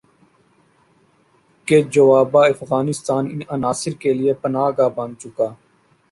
کہ جوابا افغانستان ان عناصر کے لیے پناہ گاہ بن چکا